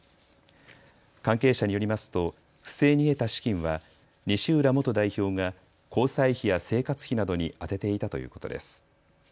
関係者によりますと不正に得た資金は西浦元代表が交際費や生活費などに充てていたということです。